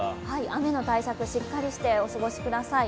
雨の対策、しっかりしてお過ごしください。